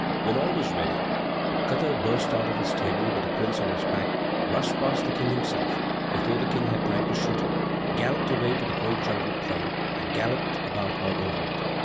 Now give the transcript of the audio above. When all was ready, Katar burst out of his stable, with the prince on his back, rushed past the King himself before the King had time to shoot him, galloped away to the great jungle plain, and galloped about all over it.